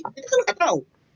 itu kan tidak tahu